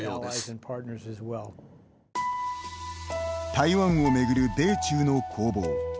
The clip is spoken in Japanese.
台湾を巡る米中の攻防。